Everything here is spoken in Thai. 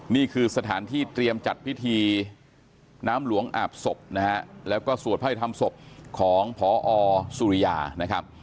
นี่คือสถานที่เตรียมจัดพิธีน้ำหลวงอาบศพนะฮะแล้วก็สวดพระพิธรรมศพของพอสุริยานะครับ